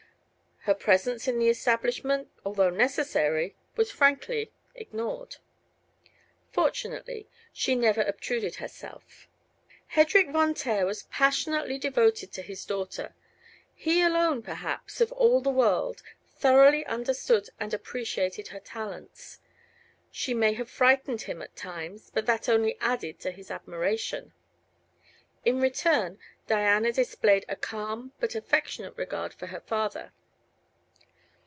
Her presence in the establishment, although necessary, was frankly ignored. Fortunately she never obtruded herself. Hedrik Von Taer was passionately devoted to his daughter. He alone, perhaps, of all the world, thoroughly understood her and appreciated her talents. She may have frightened him at times, but that only added to his admiration. In return Diana displayed a calm, but affectionate regard for her father.